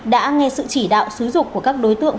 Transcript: đã nghe sự chỉ đạo xúi dục của các đối tượng